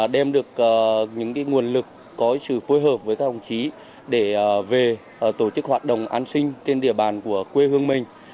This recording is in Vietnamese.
đem được những nguồn lực có sự phối hợp với các đồng chí để về tổ chức hoạt động an sinh trên địa bàn của quê hương mình